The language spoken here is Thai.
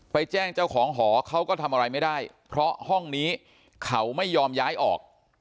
แจ้งเจ้าของหอเขาก็ทำอะไรไม่ได้เพราะห้องนี้เขาไม่ยอมย้ายออก